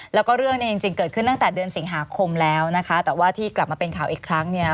แล้วก็เรื่องเนี่ยจริงเกิดขึ้นตั้งแต่เดือนสิงหาคมแล้วนะคะแต่ว่าที่กลับมาเป็นข่าวอีกครั้งเนี่ย